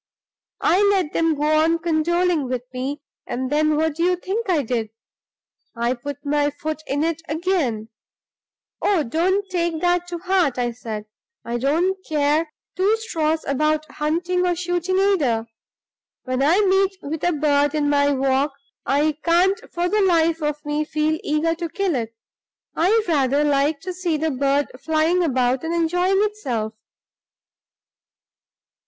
I let them go on condoling with me, and then what do you think I did? I put my foot in it again. 'Oh, don't take that to heart!' I said; 'I don't care two straws about hunting or shooting, either. When I meet with a bird in my walk, I can't for the life of me feel eager to kill it; I rather like to see the bird flying about and enjoying itself.